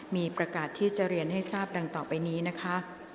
มีประกาศที่จะเรียนให้ทราบดังต่อไปนี้นะคะ